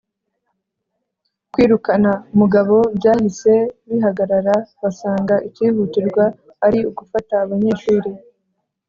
kwirukana mugabo byahise bihagarara basanga ikihutirwa ari ugufata abanyeshuri